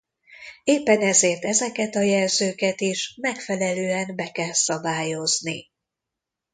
Éppen ezért ezeket a jelzőket is megfelelően be kell szabályozni.